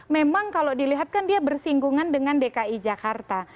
memang kalau dilihat kan dia bersinggungan dengan dki jakarta